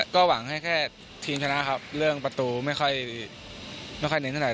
ก็หวังให้แค่ทีมชนะครับเรื่องประตูไม่ค่อยเน้นเท่าไห